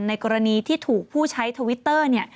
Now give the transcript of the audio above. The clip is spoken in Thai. ในกรณีที่ถูกผู้ใช้ทวิตเตอร์